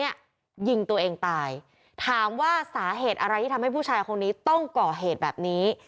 ยิงตัวเองตายถามว่าสาเหตุอะไรที่ทำให้ผู้ชายคนนี้ต้องก่อเหตุแบบนี้